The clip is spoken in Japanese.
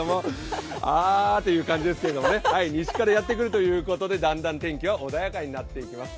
あぁという感じですけど、西からやってくるということで、だんだん天気は穏やかになっていきます。